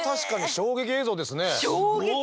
衝撃映像です。